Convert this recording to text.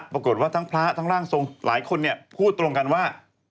ปรากฏว่าทั้งพระทั้งร่างทรงหลายคนเนี่ยพูดตรงกันว่า